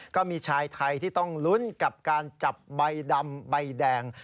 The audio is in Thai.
ก็มีชายไทยที่ต้องลุ้นกับการจับใบดำใบแดง